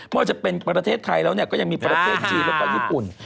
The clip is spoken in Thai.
ว่าจะเป็นประเทศไทยแล้วก็ยังมีประเทศจีนแล้วก็ญี่ปุ่น